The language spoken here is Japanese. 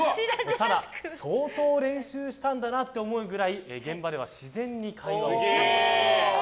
ただ、相当練習したんだなって思うくらい現場では自然に会話をしていました。